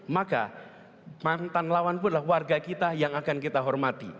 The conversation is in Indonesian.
maka mantan lawan pun adalah warga kita yang akan kita hormati